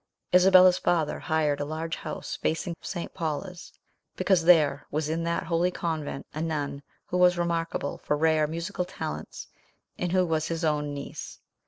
Isabella's father hired a large house facing St. Paul's, because there was in that holy convent a nun who was remarkable for rare musical talents, and who was his own niece.